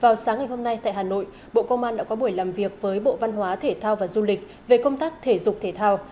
vào sáng ngày hôm nay tại hà nội bộ công an đã có buổi làm việc với bộ văn hóa thể thao và du lịch về công tác thể dục thể thao